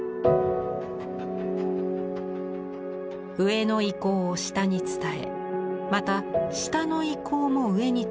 上の意向を下に伝えまた下の意向も上に届く。